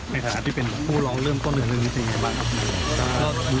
ในฐานะที่เป็นผู้รองเริ่มต้นหนึ่งวิธียังไงบ้าง